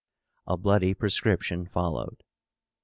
A bloody prescription followed.